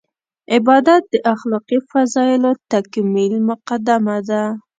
عبادت د اخلاقي فضایلو تکمیل مقدمه ده.